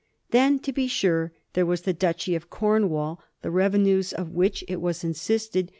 Then, to be sure, there was the duchy of Cornwall, the revenues of which, it was insisted.